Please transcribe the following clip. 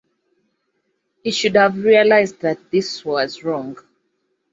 He should have realised that this was wrong.